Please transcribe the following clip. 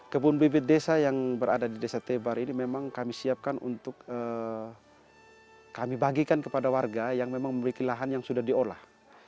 kebun bibit desa yang berada di desa tebar ini memang kami siapkan untuk kami bagikan kepada warga yang memang memiliki lahan yang sudah diolah